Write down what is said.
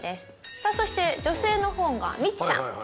さあそして女性の方がミチさん。